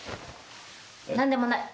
何でもない。